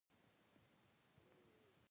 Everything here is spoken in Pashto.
موږ لږه شیبه ورته انتظار وکړ.